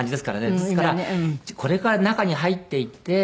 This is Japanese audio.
ですからこれから中に入っていって。